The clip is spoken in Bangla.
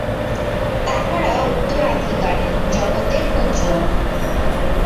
তাঁহারা উত্তরাধিকারী, জগতের পূজ্য।